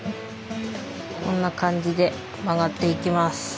こんな感じで曲がっていきます。